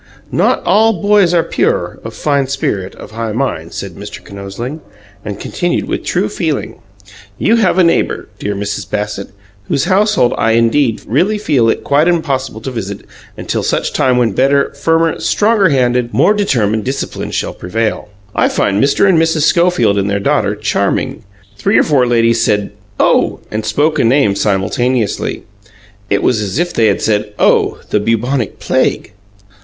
"Not all boys are pure, of fine spirit, of high mind," said Mr. Kinosling, and continued with true feeling: "You have a neighbour, dear Mrs. Bassett, whose household I indeed really feel it quite impossible to visit until such time when better, firmer, stronger handed, more determined discipline shall prevail. I find Mr. and Mrs. Schofield and their daughter charming " Three or four ladies said "Oh!" and spoke a name simultaneously. It was as if they had said, "Oh, the bubonic plague!"